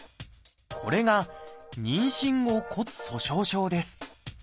これが「妊娠後骨粗しょう症」です。